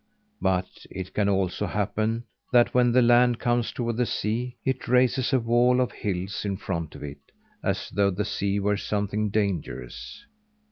But it can also happen that, when the land comes toward the sea, it raises a wall of hills in front of it as though the sea were something dangerous.